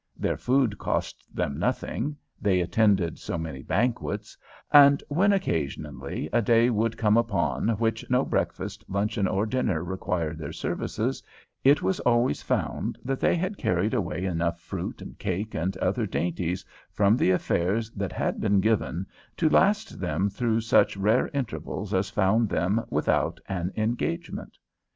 Their food cost them nothing, they attended so many banquets; and when, occasionally, a day would come upon which no breakfast, luncheon, or dinner required their services, it was always found that they had carried away enough fruit and cake and other dainties from the affairs that had been given to last them through such rare intervals as found them without an engagement.